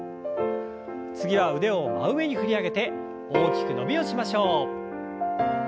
次は腕を真上に振り上げて大きく伸びをしましょう。